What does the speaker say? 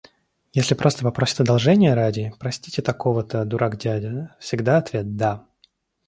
Если просто попросят одолжения ради — простите такого-то — дурак-дядя, — всегда ответ: да!